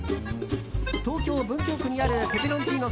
東京・文京区にあるペペロンチーノ